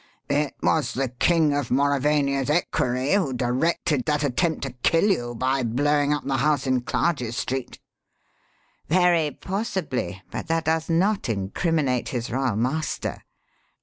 "It was the King of Mauravania's equerry who directed that attempt to kill you by blowing up the house in Clarges Street." "Very possibly. But that does not incriminate his royal master.